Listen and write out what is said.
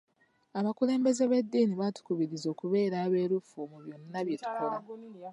Abakulembeze b'eddiini batukubiriza okubeera abeerufu mu byonna bye tukola.